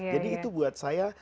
jadi itu buat saya